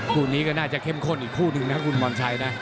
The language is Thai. คู่นี้ก็น่าจะเข้มข้นอีกคู่หนึ่งนะคุณพรชัยนะ